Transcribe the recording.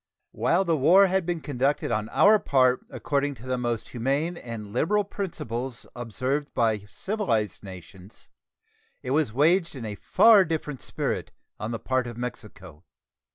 While the war had been conducted on our part according to the most humane and liberal principles observed by civilized nations, it was waged in a far different spirit on the part of Mexico.